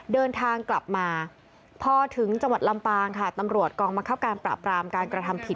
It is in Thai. เดินทางกลับมาพอถึงจังหวัดลำปางค่ะตำรวจกองบังคับการปราบรามการกระทำผิด